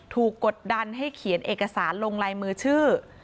กดดันให้เขียนเอกสารลงลายมือชื่อ